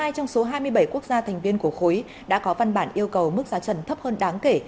một mươi trong số hai mươi bảy quốc gia thành viên của khối đã có văn bản yêu cầu mức giá trần thấp hơn đáng kể